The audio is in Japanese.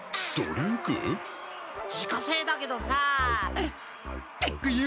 自家製だけどさきくよ！